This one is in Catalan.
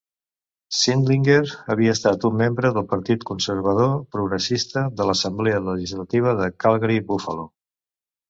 Sindlinger havia estat un membre del partit conservador progressista de l'assemblea legislativa de Calgary-Buffalo.